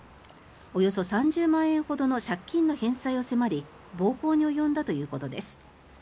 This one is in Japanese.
およそ３０万円ほどの借金の返済を迫り暴行に及んだということです。